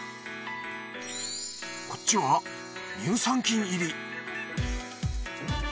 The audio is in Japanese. こっちは乳酸菌入り。